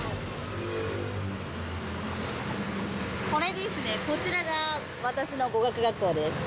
これですね、こちらが私の語学学校です。